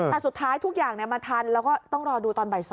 แต่สุดท้ายทุกอย่างมาทันแล้วก็ต้องรอดูตอนบ่าย๒